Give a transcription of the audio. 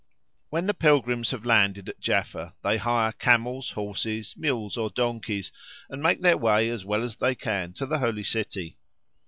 When the pilgrims have landed at Jaffa they hire camels, horses, mules, or donkeys, and make their way as well as they can to the Holy City.